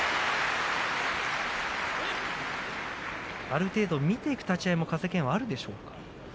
ある程度、見ていく立ち合いも風賢央はあるでしょうか。